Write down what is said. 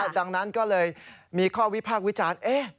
ดังนั้นก็เลยมีข้อวิทยาลัยวิชาน